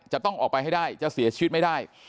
จะต้องออกไปให้ได้จะเสียชีวิตไม่ได้